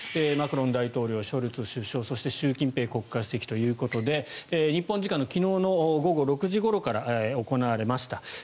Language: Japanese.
マクロン大統領、ショルツ首相そして習近平国家主席ということで日本時間の昨日午後６時ごろから行われました。